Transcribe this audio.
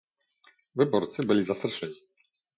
Wyborcy byli zastraszeni